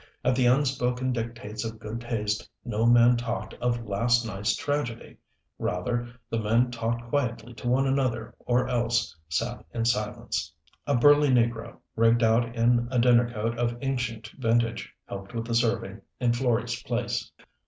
At the unspoken dictates of good taste no man talked of last night's tragedy. Rather the men talked quietly to one another or else sat in silence. A burly negro, rigged out in a dinner coat of ancient vintage, helped with the serving in Florey's place.